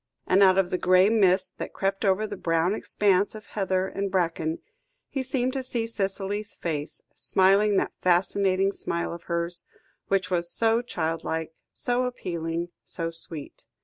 And out of the grey mists that crept over the brown expanse of heather and bracken, he seemed to see Cicely's face, smiling that fascinating smile of hers, which was so childlike, so appealing, so sweet.